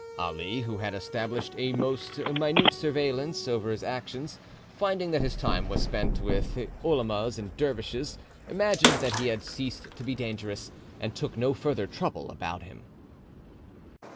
Ali, who had established a most minute surveillance over his actions, finding that his time was spent with ulemas and dervishes, imagined that he had ceased to be dangerous, and took no further trouble about him.